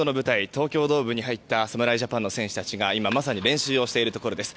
東京ドームに入った侍ジャパンの選手たちが今、まさに練習をしているところです。